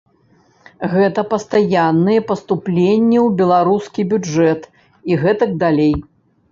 Гэта пастаянныя паступленні ў беларускі бюджэт і гэтак далей.